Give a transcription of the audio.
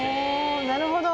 おなるほど。